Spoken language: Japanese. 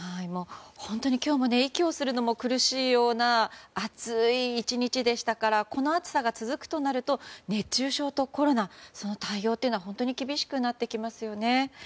本当に今日も息をするのも苦しいような暑い１日でしたからこの暑さが続くとなると熱中症とコロナその対応というのは本当に厳しくなってきますよね。